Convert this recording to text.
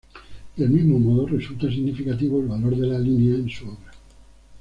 Del mismo modo, resulta significativo el valor de la línea en su obra.